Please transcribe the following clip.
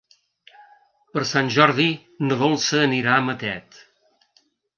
Per Sant Jordi na Dolça anirà a Matet.